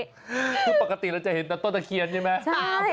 คือปกติเราจะเห็นแต่ต้นตะเคียนใช่ไหม